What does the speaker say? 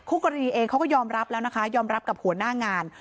กรณีเองเขาก็ยอมรับแล้วนะคะยอมรับกับหัวหน้างาน